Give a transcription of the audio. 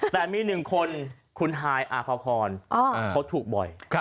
แต่มีหนึ่งคนคุณฮายอาภพรเขาถูกบ่อย